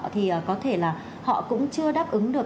thì có thể là họ cũng chưa đáp ứng được